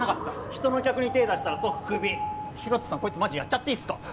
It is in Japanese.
人の客に手出したら即クビヒロトさんこいつマジやっちゃっていいっすか？